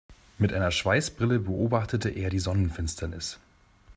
Mit einer Schweißbrille beobachtete er die Sonnenfinsternis.